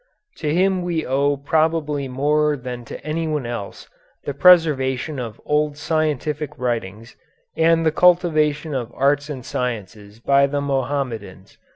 To him we owe probably more than to anyone else the preservation of old scientific writings and the cultivation of arts and sciences by the Mohammedans.